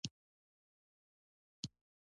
د مقاومت ملا ماتوي.